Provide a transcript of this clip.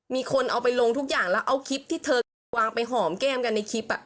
มีคนเอาไปลงทุกอย่างแล้วเอาคลิปที่เธอวางไปหอมแก้มกันในคลิป